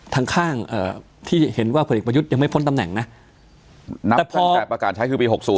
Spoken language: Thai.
ทั้งข้างเอ่อที่เห็นว่าผลิกประยุทธ์ยังไม่พ้นตำแหน่งน่ะนับทั้ง๘ประกาศใช้คือมี๖ศูนย์